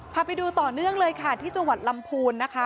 พาไปดูต่อเนื่องเลยค่ะที่จังหวัดลำพูนนะคะ